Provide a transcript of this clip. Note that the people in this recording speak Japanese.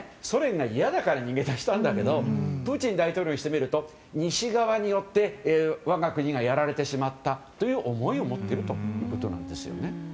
ソ連が嫌だから逃げ出したんだけどプーチン大統領にしてみると西側によって我が国がやられてしまったという思いを持っているということなんです。